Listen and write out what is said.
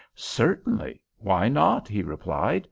"Certainly. Why not?" he replied.